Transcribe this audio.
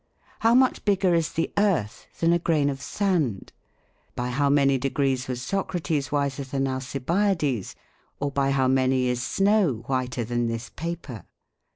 How much bigger is the earth than a grain of sand ? By how many degrees was Socrates wiser than Alei biades? or by how many is snow whiter than this paper?